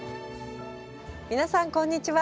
皆さんこんにちは。